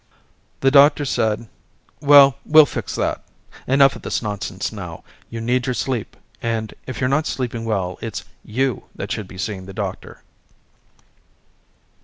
The doctor said well we'll fix that, enough of this nonsense now, you need your sleep and if you're not sleeping well it's you that should be seeing the doctor.